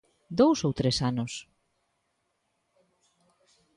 Dous ou tres anos?